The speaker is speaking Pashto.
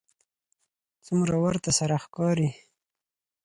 څومره ورته سره ښکاري